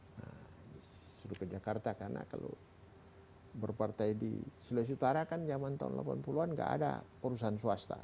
nah disuruh ke jakarta karena kalau berpartai di sulawesi utara kan zaman tahun delapan puluh an gak ada perusahaan swasta